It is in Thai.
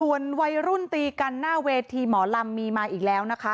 ส่วนวัยรุ่นตีกันหน้าเวทีหมอลำมีมาอีกแล้วนะคะ